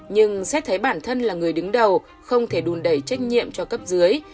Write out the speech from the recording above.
nhưng xét thấy bản thân là người đứng đầu không thể đùn đẩy trách nhiệm cho cấp dưới